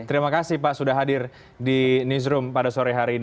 terima kasih pak sudah hadir di newsroom pada sore hari ini